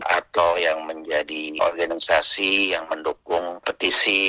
atau yang menjadi organisasi yang mendukung petisi